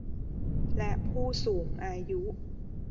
และผู้สูงอายุ